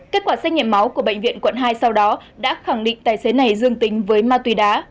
kết quả xét nghiệm máu của bệnh viện quận hai sau đó đã khẳng định tài xế này dương tính với ma túy đá